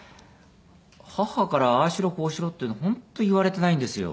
母からああしろこうしろっていうの本当言われてないんですよ。